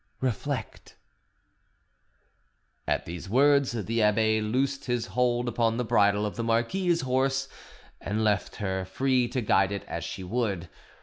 Reflect." At these words the abbe loosed his hold upon the bridle of the marquise's horse and left her free to guide it as she would.